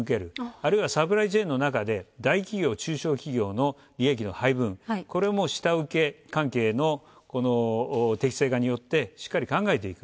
あるいは、サプライチェーンの中で大企業、中小企業の利益の配分、これも下請け関係の適正化によってしっかり考えていく。